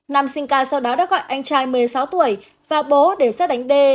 nam sinh k sau đó đã gọi anh trai một mươi sáu tuổi và bố để xác đánh d